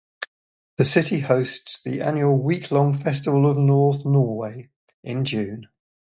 The city hosts the annual week-long "Festival of North Norway" in June.